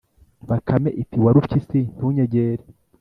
bakame iti: “warupyisi ntunyegere